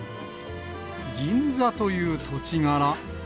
銀座という土地柄。